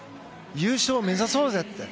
優勝目指そうぜって。